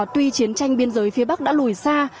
tuy chiến tranh biên giới phía bắc đã lùi xa